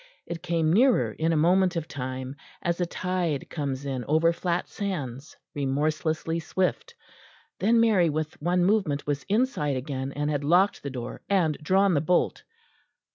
It came nearer in a moment of time, as a tide comes in over flat sands, remorselessly swift. Then Mary with one movement was inside again, and had locked the door and drawn the bolt.